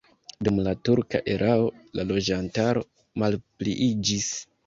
Dum la turka erao la loĝantaro malpliiĝis.